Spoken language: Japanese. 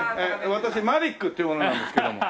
私マリックっていう者なんですけども。